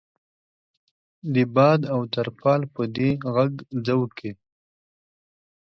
د باد او ترپال په دې غږ ځوږ کې.